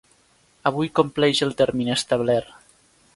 Avui compleix el termini establert.